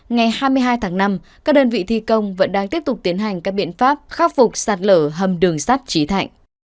ngày hai mươi hai tháng năm các đơn vị thi công vẫn đang tiếp tục tiến hành các biện pháp khắc phục sạt lở hầm đường sắt trí thạnh